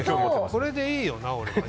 これでいいよな。